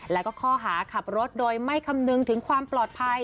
แล้วก็ข้อหาขับรถโดยไม่คำนึงถึงความปลอดภัย